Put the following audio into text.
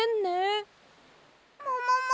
ももも？